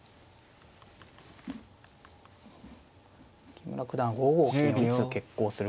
木村九段は５五金をいつ決行するか。